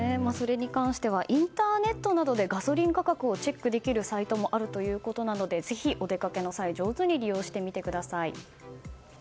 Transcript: インターネットなどでガソリン価格をチェックできるサイトもあるということなのでぜひお出かけの際上手に利用してみてください。